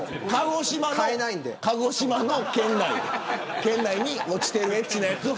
鹿児島の県内に落ちているやつを。